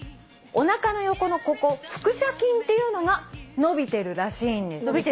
おなかの横のここ腹斜筋っていうのが伸びてるらしいんです。